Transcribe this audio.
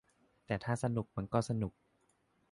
แต่ถ้าสนุกมันก็สนุก